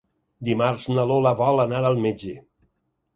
Dimarts na Lola vol anar al metge.